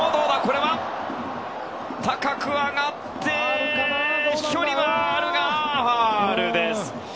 高く上がって飛距離はあるがファウルでした。